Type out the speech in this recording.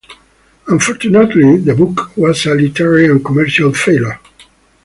Unfortunately the book was a literary and commercial failure.